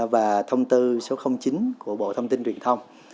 và thông tư số chín của bộ thông tin truyền thông